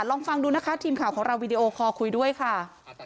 ลองฟังดูนะคะทีมข่าวของเราวีดีโอคอลคุยด้วยค่ะ